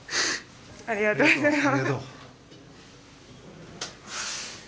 ありがとうございます。